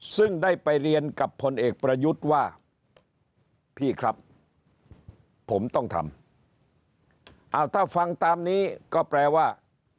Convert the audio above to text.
ซึ่งได้ไปเรียนกับพลเอกประยุทธ์ว่าพี่ครับผมต้องทำถ้าฟังตามนี้ก็แปลว่า